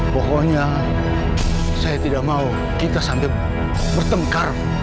pokoknya saya tidak mau kita sambil bertengkar